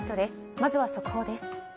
まずは速報です。